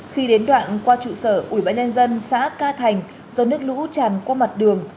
khi đến đoạn qua trụ sở ủy bãi nhân dân xã ca thành do nước lũ tràn qua mặt đường